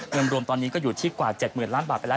เงินรวมตอนนี้ก็อยู่ที่กว่า๗๐๐ล้านบาทไปแล้ว